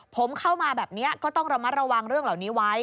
ผมเข้ามาแบบนี้ก็ต้องระมัดระวังเรื่องเหล่านี้ไว้